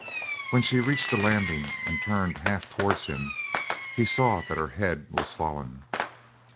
When she reached the landing and turned half towards him, he saw that her head was fallen.